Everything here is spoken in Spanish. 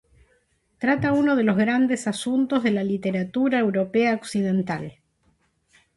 Trata uno de los grandes asuntos de la literatura europea occidental.